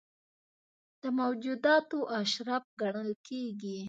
د موجوداتو اشرف ګڼل کېږي.